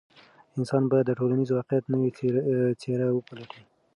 انسان باید د ټولنیز واقعیت نوې څېره وپلټي.